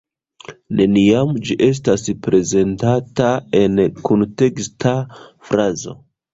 Neniam ĝi estas prezentata en kunteksta frazo.